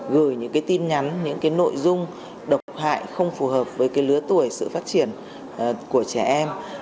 gửi những cái tin nhắn những cái nội dung độc hại không phù hợp với lứa tuổi sự phát triển của trẻ em